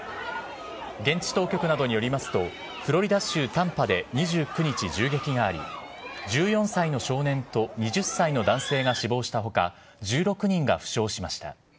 現地当局などによりますと、フロリダ州タンパで２９日、銃撃があり、１４歳の少年と２０歳の男性が死亡したほか、１６人が負傷しました。